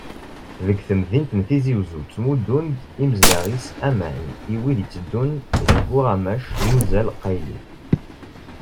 Deg temdint n Tizi Uzzu, ttmuddun-d yimezdaɣ-is aman i wid iteddun deg uɣamac n uzal qayli.